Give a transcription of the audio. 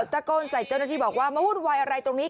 ตะโกนใส่เจ้าหน้าที่บอกว่ามาวุ่นวายอะไรตรงนี้